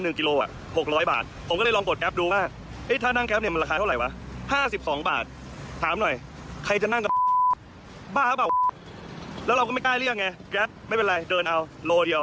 นี่ก็เลยเดินพูดไปนะครับน้ำโรแจงอันตันใจเข้าใจนะในมุมของนักท่องเที่ยว